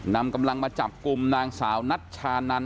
นำกำลังมาจับกลุ่มนางสาวนัชชานัน